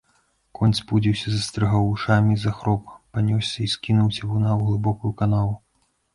Конь спудзіўся, застрыгаў вушамі, захроп, панёсся і скінуў цівуна ў глыбокую канаву.